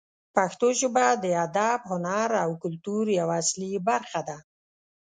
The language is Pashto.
پښتو ژبه د ادب، هنر او کلتور یوه اصلي برخه ده.